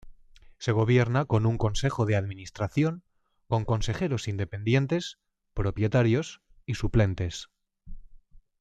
Se gobierna con un Consejo de Administración, con consejeros independientes, propietarios y suplentes.